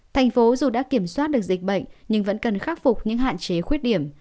thành phố dù đã kiểm soát được dịch bệnh nhưng vẫn cần khắc phục những hạn chế khuyết điểm